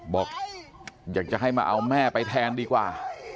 บอกอยากจะให้มาเอาแม่ไปแทนดีกว่า